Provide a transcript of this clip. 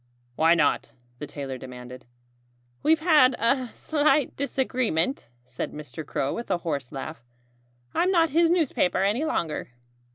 "Why not?" the tailor demanded. "We've had a slight disagreement," said Mr. Crow with a hoarse laugh. "I'm not his newspaper any longer."